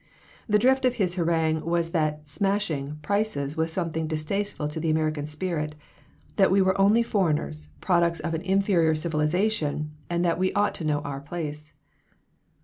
The drift of his harangue was that "smashing" prices was something distasteful to the American spirit, that we were only foreigners, products of an inferior civilization, and that we ought to know our place.